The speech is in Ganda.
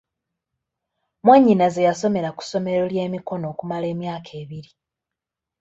Mwannyinaze yasomera ku ssomero ly'emikono okumala emyaka ebiri.